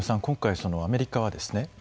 今回アメリカはですね